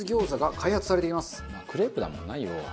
クレープだもんな要は。